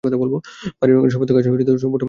বাড়ী রঙের সমস্ত কাজ সময় থাকতে সম্পূর্ণ হওয়া চাই।